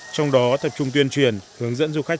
trong đó tập trung tuyên truyền hướng dẫn du khách